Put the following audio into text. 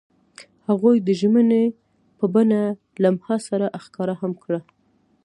هغوی د ژمنې په بڼه لمحه سره ښکاره هم کړه.